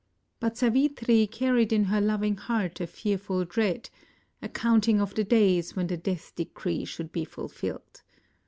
But Savitri carried in her lo\TJig heart a fearful dread — a counting of the days when the death decree should be fulfilled.